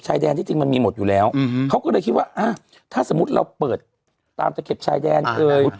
ธนาฬาที่สิพี่มันมีเหมือนอยู่แล้วเขาก็เลยคิดว่าค่ะแต่สมมติเราเปิดตามมัถเก็บชายแดนเลย